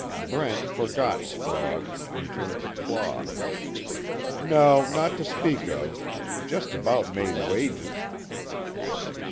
Brent forgot Scroggs and turned to Claw: "No, not to speak of. Just about made wages."